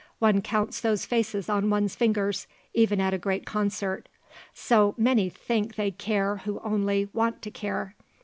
One counts those faces on one's fingers even at a great concert. So many think they care who only want to care.